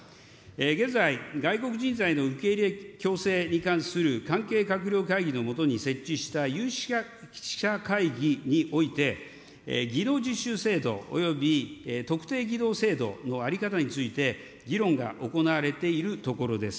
現在、外国人材の受け入れ共生に関する関係閣僚会議のもとに設置した有識者会議において、技能実習制度および特定技能制度の在り方について、議論が行われているところです。